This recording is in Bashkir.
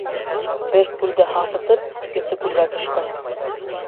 Бер күлде һаҫытып, икенсе күлгә төшкән.